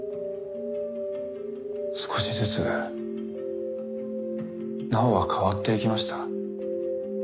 少しずつ奈緒は変わっていきました。